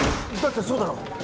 だってそうだろう。